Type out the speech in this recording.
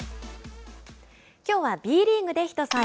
きょうはＢリーグで「ひとそえ」。